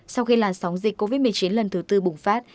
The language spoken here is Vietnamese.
sau khi làn sóng dịch covid một mươi chín lần thứ tư bùng phát